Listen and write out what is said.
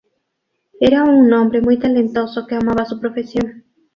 Era un hombre muy talentoso que amaba su profesión.